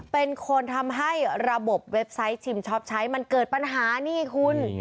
เป็นคนทำให้ระบบเว็บไซต์ชิมชอบใช้มันเกิดปัญหานี่คุณ